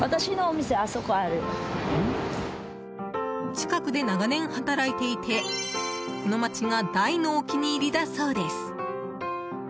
近くで長年働いていてこの町が大のお気に入りだそうです。